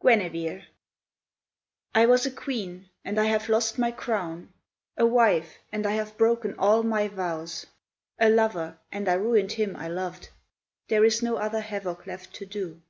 Guenevere I was a queen, and I have lost my crown; A wife, and I have broken all my vows; A lover, and I ruined him I loved: There is no other havoc left to do.